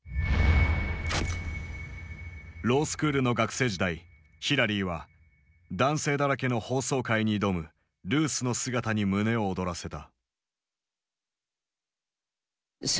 ロースクールの学生時代ヒラリーは男性だらけの法曹界に挑むルースの姿に胸を躍らせた。